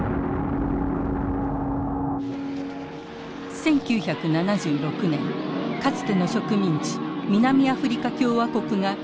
１９７６年かつての植民地南アフリカ共和国が非常事態に陥る。